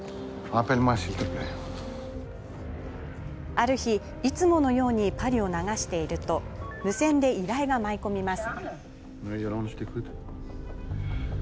ある日、いつものようにパリを流していると無線で依頼が舞い込みます。